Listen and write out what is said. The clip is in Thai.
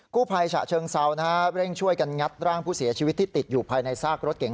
ผู้ภัยฉะเชิงเซานะฮะเร่งช่วยกันงัดร่างผู้เสียชีวิตที่ติดอยู่ภายในซากรถเก๋ง